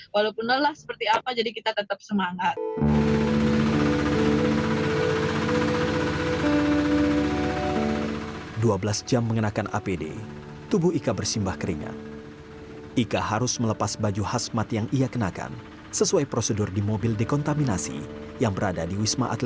walaupun lelah seperti apa jadi kita tetap semangat